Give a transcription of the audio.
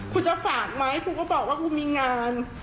คุณจะฝากไหมครูก็บอกว่ากูมีงาน